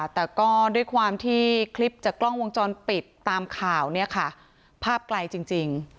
แต่ก็ด้วยความที่คลิปจากกล้องวงจรปิดตามข่าวเนี่ยค่ะภาพไกลจริง